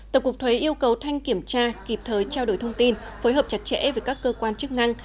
tổng cục thuế yêu cầu thanh kiểm tra kịp thời trao đổi thông tin phối hợp chặt chẽ với các cơ quan chức năng